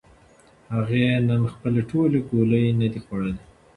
هغې نن خپلې ټولې ګولۍ نه دي خوړلې.